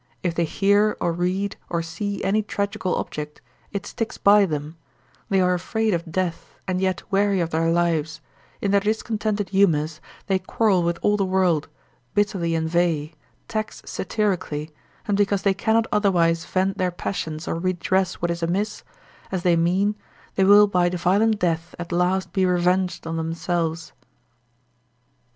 If they hear, or read, or see any tragical object, it sticks by them, they are afraid of death, and yet weary of their lives, in their discontented humours they quarrel with all the world, bitterly inveigh, tax satirically, and because they cannot otherwise vent their passions or redress what is amiss, as they mean, they will by violent death at last be revenged on themselves.